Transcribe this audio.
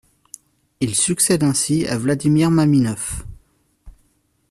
Il succède ainsi à Vladimir Maminov.